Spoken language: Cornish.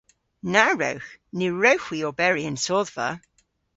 Na wrewgh! Ny wrewgh hwi oberi yn sodhva.